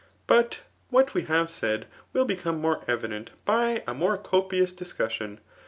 But what we kwe laid, will become more evident, by a nKnre copious di9* cnssion.